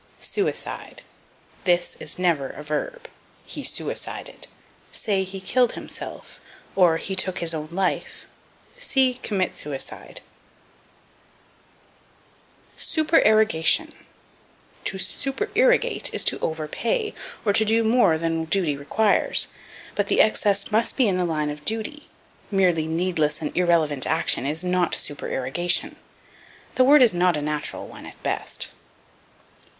Suicide. This is never a verb. "He suicided." Say, He killed himself, or He took his own life. See Commit Suicide. Supererogation. To supererogate is to overpay, or to do more than duty requires. But the excess must be in the line of duty; merely needless and irrelevant action is not supererogation. The word is not a natural one, at best.